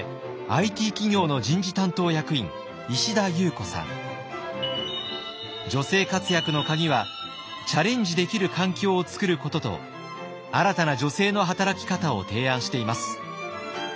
そして女性活躍のカギはチャレンジできる環境を作ることと新たな女性の働き方を提案しています。